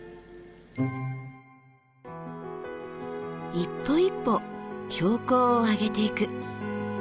一歩一歩標高を上げていく。